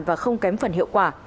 và không kém phần hiệu quả